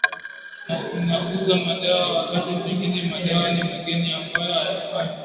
na anauza madawa wakati pengine madawa ni mangeni ambayo hayafa